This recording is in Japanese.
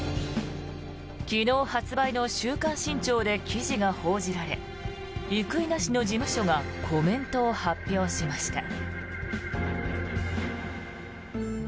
昨日発売の「週刊新潮」で記事が報じられ生稲氏の事務所がコメントを発表しました。